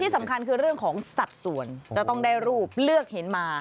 สำคัญคือเรื่องของสัดส่วนจะต้องได้รูปเลือกเห็นมา